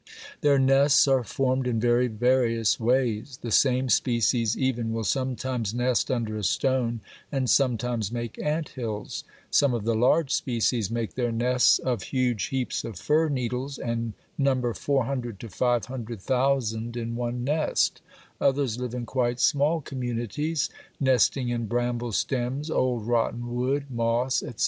Their nests are formed in very various ways: the same species even will sometimes nest under a stone and sometimes make ant hills; some of the large species make their nests of huge heaps of fir needles, and number 400 to 500 thousand in one nest others live in quite small communities, nesting in bramble stems, old rotten wood, moss, etc.